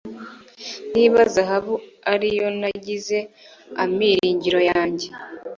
niba zahabu ari yo nagize amiringiro yanjye